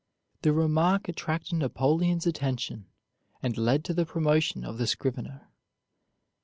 The remark attracted Napoleon's attention and led to the promotion of the scrivener.